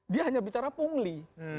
dia hanya bicara pungli